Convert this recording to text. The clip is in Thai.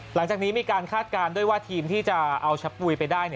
หลังจากนี้มีการคาดการณ์ด้วยว่าทีมที่จะเอาชะปุยไปได้